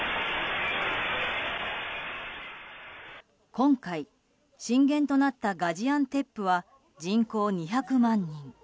今回、震源となったガジアンテップは人口２００万人。